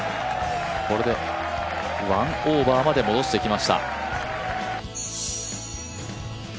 １オーバーまで戻してきました。